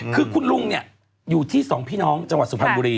คือคุณลุงอยู่ที่สองพี่น้องจังหวัดสุพรรณบุรี